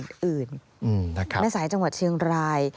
นะครับใช่ครับนักท่องเที่ยวหลายคนบอกว่าประทับใจมากที่ได้มาเที่ยวที่เชียงราย